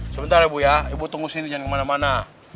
sebentar ya bu ya ibu tunggu sini jangan kemana mana